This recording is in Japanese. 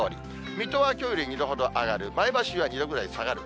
水戸はきょうより２度ほど上がる、前橋は２度ぐらい下がる。